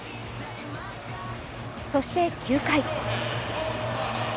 そして９回。